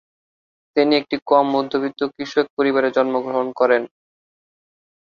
তিনি একটি কম-মধ্যবিত্ত কৃষক পরিবারে জন্মগ্রহণ করেন।